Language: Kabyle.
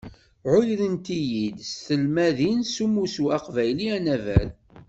Ɛuyrent-iyi-d tselmadin s umussu aqbayli anabad.